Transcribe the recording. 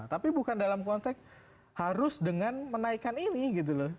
tapi bukan dalam konteks harus dengan menaikkan ini gitu loh